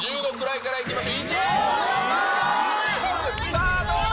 さあ、どうだ？